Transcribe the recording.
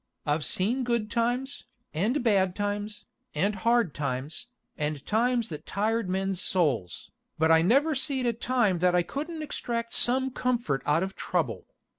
I've seen good times, and bad times, and hard times, and times that tired men's soles, but I never seed a time that I coulden't extrakt sum cumfort out of trubble.